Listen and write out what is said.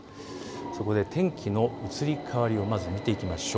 そこで天気の移り変わりをまず見ていきましょう。